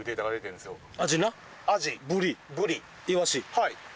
はい。